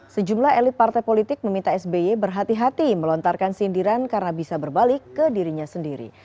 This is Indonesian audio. sejumlah elit partai politik meminta sby berhati hati melontarkan sindiran karena bisa berbalik ke dirinya sendiri